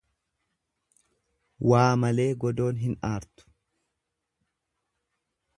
Waa malee godoon hin aartu.